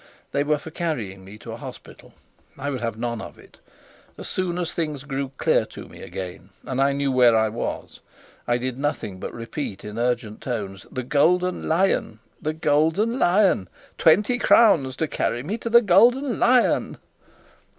They were for carrying me to a hospital; I would have none of it. As soon as things grew clear to me again and I knew where I was, I did nothing but repeat in urgent tones, "The Golden Lion, The Golden Lion! Twenty crowns to carry me to the Golden Lion."